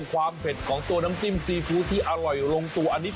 เผ็ดของตัวน้ำจิ้มซีฟู้ดที่อร่อยลงตัวอันนี้